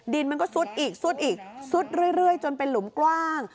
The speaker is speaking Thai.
ดินมันก็ซุดอีกซุดอีกซุดเรื่อยจนเป็นหลุมกว้าง